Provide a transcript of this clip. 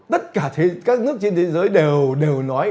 tất cả các nước trên thế giới đều nói